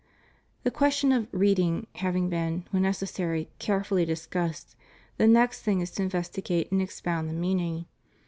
^ The question of "reading " having been, when necessary, carefully dis cussed, the next tiling is to investigate and expound the meaning.